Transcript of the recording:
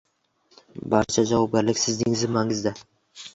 Barcha javobgarlik sizning zimmangizda.